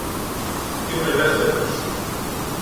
Είμαι ελεύθερος